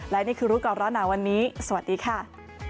และนี่คือรู้ก่อนร้อนหนาวันนี้สวัสดีค่ะ